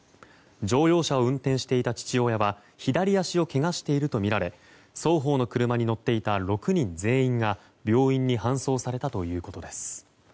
乗用車を運転していた父親は左足をけがしているとみられ双方の車に乗っていた６人全員が病院に搬送されたということです。